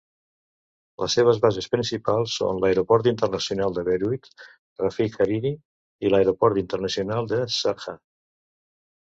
Les seves bases principals són l'aeroport internacional de Beirut Rafic Hariri i l'aeroport internacional de Sharjah.